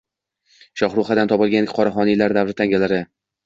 “Shohruxiya”dan topilgan qoraxoniylar davri tangalari